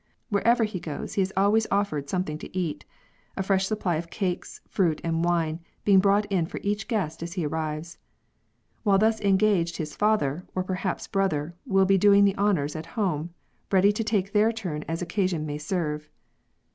Wherever he goes he is always offered something to eat, a fresh supply of cakes, fruit, and wine, being brought in for each guest as he arrives. AVhile thus engaged his father, or perhaps brother, will be doing the honours at home, ready to take their turn as occasion may serve.